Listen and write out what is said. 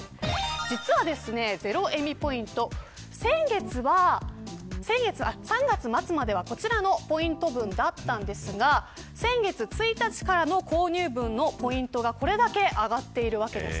実は、ゼロエミポイント３月末までは、こちらのポイント分だったんですが先月１日からの購入分のポイントは、これだけ上がっているわけです。